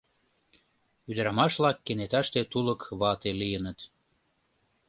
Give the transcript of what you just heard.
Ӱдырамаш-влак кенеташте тулык вате лийыныт.